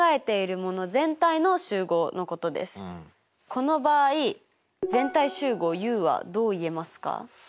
この場合全体集合Ｕはどう言えますか？